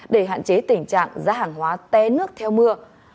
để hạn chế tình trạng giá hàng hóa té nước theo mưa